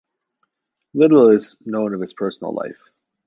Little is known of his personal life.